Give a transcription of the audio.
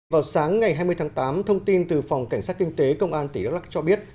vào sáng ngày hai mươi tháng tám thông tin từ phòng cảnh sát kinh tế công an tỉnh đắk lắc cho biết